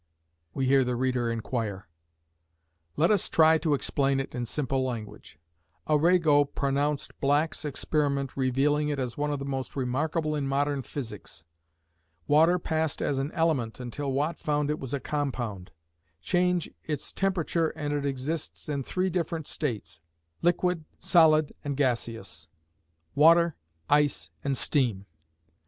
we hear the reader inquire. Let us try to explain it in simple language. Arago pronounced Black's experiment revealing it as one of the most remarkable in modern physics. Water passed as an element until Watt found it was a compound. Change its temperature and it exists in three different states, liquid, solid, and gaseous water, ice and steam.